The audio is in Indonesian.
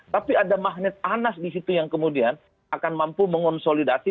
tapi ada magnet anas di situ yang kemudian akan mampu mengonsolidasi